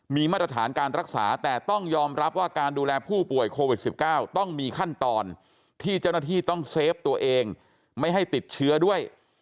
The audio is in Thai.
มีมาตรฐานการรักษาแต่ต้องยอมรับว่าการดูแลผู้ป่วยโควิด๑๙ต้องมีขั้นตอนที่เจ้าหน้าที่ต้องเซฟตัวเองไม่ให้ติดเชื้อด้วย